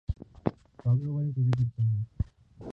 پاگلوں والی چیزیں کرتا ہوں